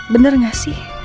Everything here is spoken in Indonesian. bener gak sih